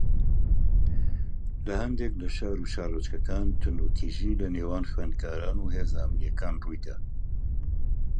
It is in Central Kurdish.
لە ھەندێک لە شار و شارۆچکەکان توندوتیژی لەنێوان خوێندکاران و هێزە ئەمنییەکان ڕووی دا